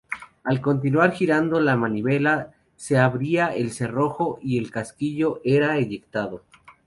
Al continuar girando la manivela, se abría el cerrojo y el casquillo era eyectado.